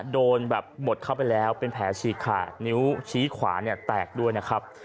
โดนแบบบดเข้าไปแล้วเป็นแผลฉีกขาดนิ้วชี้ขวาเนี่ยแตกด้วยนะครับ